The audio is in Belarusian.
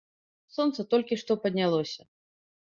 Сонца толькі што паднялося.